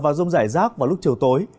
và rông giải rác vào lúc chiều tối